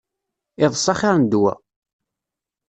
Iḍes axir n ddwa.